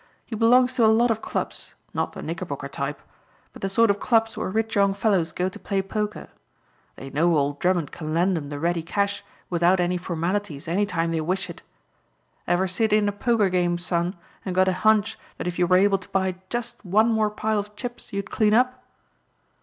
He belongs to a lot of clubs not the Knickerbocker type but the sort of clubs where rich young fellows go to play poker. They know old Drummond can lend 'em the ready cash without any formalities any time they wish it. Ever sit in a poker game, son, and get a hunch that if you were able to buy just one more pile of chips you'd clean up?"